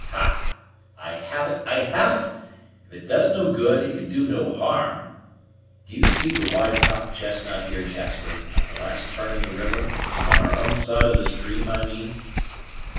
Ha! I have it, I have it! if it does no good, it can do no harm. Do you see the wide topped chestnut here, Jasper, at the last turn in the river on our own side of the stream, I mean?"